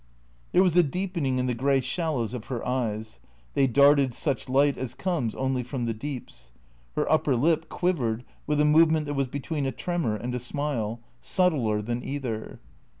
There was a deepening in the grey shallows of her eyes; they darted such light as comes only from the deeps. Her upper lip quivered with a movement that was between a tremor and a smile, subtler than either.